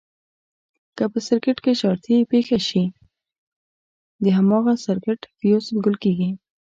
که په سرکټ کې شارټي پېښه شي د هماغه سرکټ فیوز ګل کېږي.